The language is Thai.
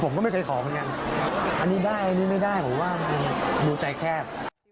ผมก็ไม่เคยขอเหมือนกันอันนี้ได้อันนี้ไม่ได้ผมว่ามันดูใจแคบ